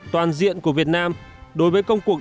toàn diện của việt nam đối với công cuộc